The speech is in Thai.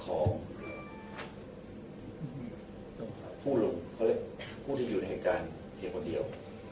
ของผู้หลงเขาเรียกผู้ที่อยู่ในเหตุการณ์เพียงคนเดียว